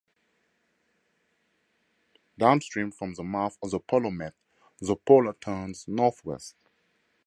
Downstream from the mouth of the Polomet, the Pola turns northwest.